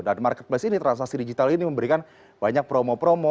dan marketplace ini transaksi digital ini memberikan banyak promo promo